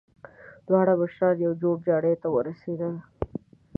دواړه مشران يوه جوړجاړي ته ورسېدل.